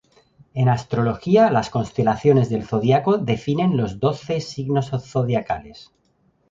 En astrología las constelaciones del zodiaco definen los doce signos zodiacales.